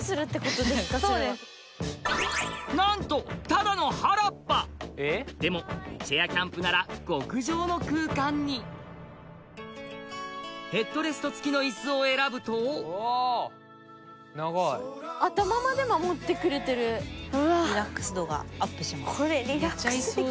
なんとただの原っぱでもチェアキャンプなら極上の空間にヘッドレスト付きのイスを選ぶと頭まで守ってくれてるリラックス度がアップします